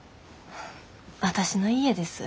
私の家です。